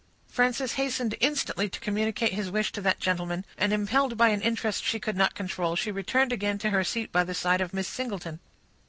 Frances hastened instantly to communicate his wish to that gentleman, and impelled by an interest she could not control, she returned again to her seat by the side of Miss Singleton.